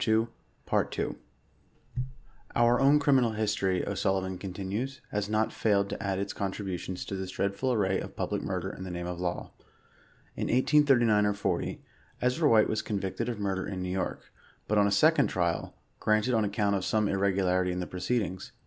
IN THIS COUNTRY* " Our own criminal history," O'SuIliv&n continues, " has not failed to add its contributions to this dreadful array of public murder in the name of law." In 1839 or 40, Ezra White was convicted of murder in New York, but on a second trial, granted on account of some irregularity in the proceedings.